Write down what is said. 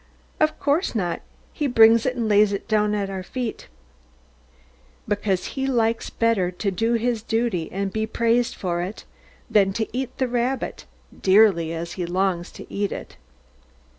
Of course not; he brings it and lays it down at our feet. Because he likes better to do his duty, and be praised for it, than to eat the rabbit, dearly as he longs to eat it.